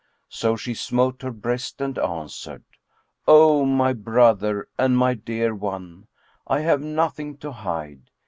So she smote her breast and answered, "O my brother and my dear one, I have nothing to hide.